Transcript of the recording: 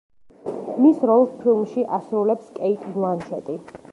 მის როლს ფილმში ასრულებს კეიტ ბლანშეტი.